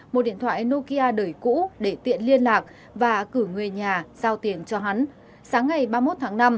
một điện thoại nokia đời cũ để tiện liên lạc và cử người nhà giao tiền cho hắn sáng ngày ba mươi một tháng năm